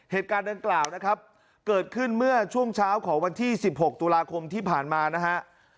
เหตุการณ์ดังกล่าวนะครับเกิดขึ้นเมื่อช่วงเช้าของวันที่๑๖ตุลาคมที่ผ่านมานะฮะ